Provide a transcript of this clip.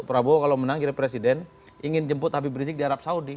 prabowo kalau menang jadi presiden ingin jemput habib rizik di arab saudi